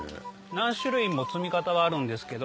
何種類も積み方があるんですけど。